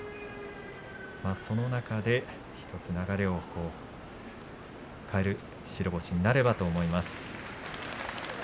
その中で１つ流れを変える白星になるかと思います。